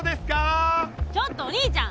ちょっとお兄ちゃん！